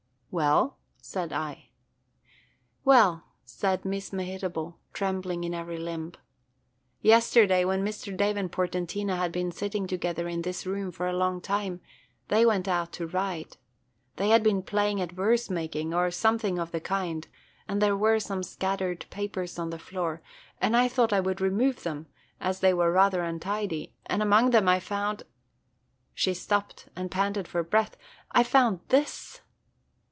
"Well?" said I. "Well," said Miss Mehitable, trembling in every limb, "yesterday, when Mr. Davenport and Tina had been sitting together in this room for a long time, they went out to ride. They had been playing at verse making, or something of the kind, and there were some scattered papers on the floor, and I thought I would remove them, as they were rather untidy, and among them I found –" she stopped, and panted for breath – "I found THIS!"